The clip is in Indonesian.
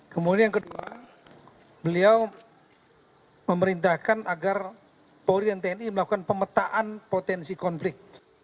kemudian yang kedua beliau memerintahkan agar polri dan tni melakukan pemetaan potensi konflik